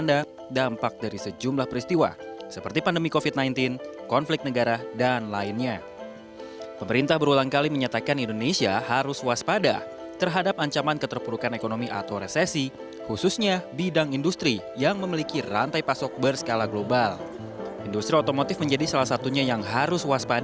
dan sekarang sudah mulai satu persatu